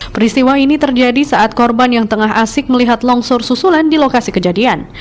peristiwa ini terjadi saat korban yang tengah asik melihat longsor susulan di lokasi kejadian